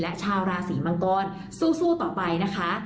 และชาวราศีมังกรสู้ต่อไปนะคะ